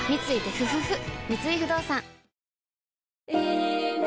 三井不動産